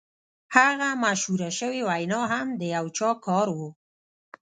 هغه مشهوره شوې وینا هم د یو چا کار و